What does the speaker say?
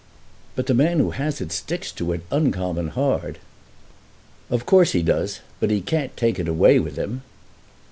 "But the man who has it sticks to it uncommon hard." "Of course he does; but he can't take it away with him."